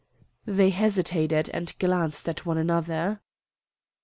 They hesitated, and glanced at one another.